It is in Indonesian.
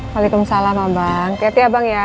waalaikumsalam abang ya bang ya